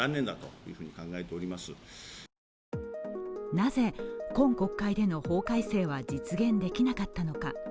なぜ、今国会での法改正は実現できなかったのか。